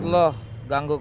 perempuan yang semua